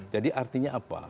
jadi artinya apa